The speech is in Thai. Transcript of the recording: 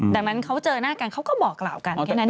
ดังนั้นเขาเจอหน้ากันเขาก็บอกกล่าวกันแค่นั้น